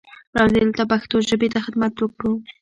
راځئ دلته پښتو ژبې ته خدمت وکړو.